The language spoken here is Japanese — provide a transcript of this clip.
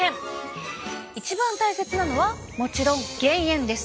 一番大切なのはもちろん減塩です。